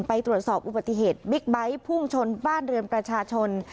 ไปตรวจสอบอุบัติเหตุบิ๊กไบท์พุ่งชนบ้านเรือนประชาชน